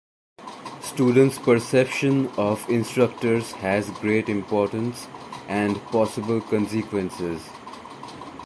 Students perception of instructors has great importance and possible consequences.